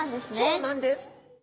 そうなんです！